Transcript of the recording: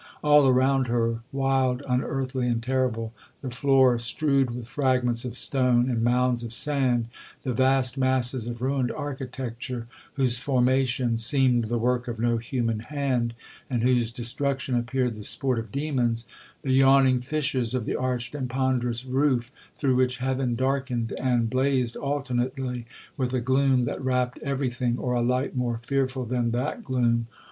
All around her wild, unearthly, and terrible,—the floor strewed with fragments of stone, and mounds of sand,—the vast masses of ruined architecture, whose formation seemed the work of no human hand, and whose destruction appeared the sport of demons,—the yawning fissures of the arched and ponderous roof, through which heaven darkened and blazed alternately with a gloom that wrapt every thing, or a light more fearful than that gloom.